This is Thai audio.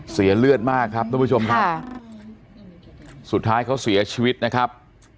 เสียเลือดมากครับทุกผู้ชมครับสุดท้ายเขาเสียชีวิตนะครับ